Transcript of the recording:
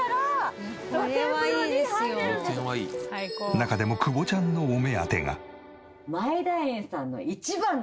中でも久保ちゃんのお目当てが。